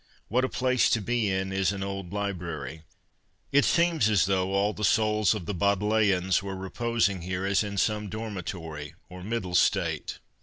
' What a place to be in is an old library ! It seems as though all the souls of the Bodleians were reposing here as in some dormitory or middle state.